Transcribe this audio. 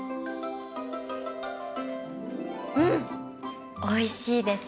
うん、おいしいです。